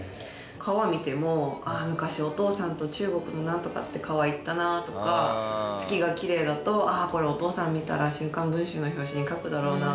「川見ても“ああ昔お父さんと中国のナントカって川行ったな”とか月がキレイだと“ああこれお父さん見たら『週刊文春』の表紙に描くだろうな”とか」